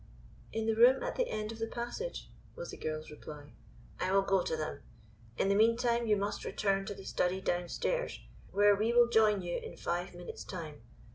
"In the room at the end of that passage," was the girl's reply. "I will go to them. In the meantime you must return to the study downstairs, where we will join you in five minutes' time.